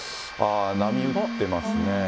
波打ってますね。